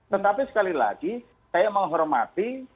tetapi sekali lagi saya menghormati